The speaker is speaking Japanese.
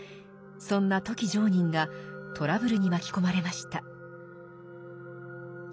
そんな富木常忍がトラブルに巻き込まれました。